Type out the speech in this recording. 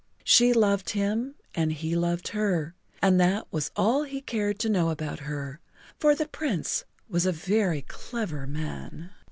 She loved him and he loved her and that was all he cared to know about her, for the Prince was a very clever man.